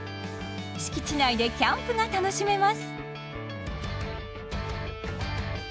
敷地内でキャンプが楽しめます。